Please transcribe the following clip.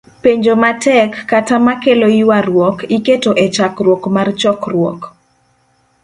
Penjo ma tek, kata ma kelo ywaruok, iketo e chakruok mar chokruok